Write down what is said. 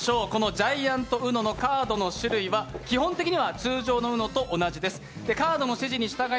ジャイアントウノのカードは基本的には基本的には通常のウノと同じです。